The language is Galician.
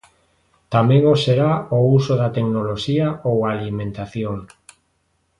Tamén o será o uso da tecnoloxía ou a alimentación.